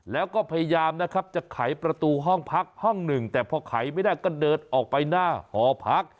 แล้วก็พยายามนะครับจะไขประตูห้องพักห้องหนึ่งแต่พอไขไม่ได้ก็เดินออกไปหน้าหอพัก